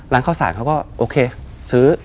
ร้านข้าวสารเขาก็โอเคซื้อ